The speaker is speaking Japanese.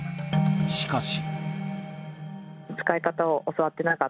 しかし。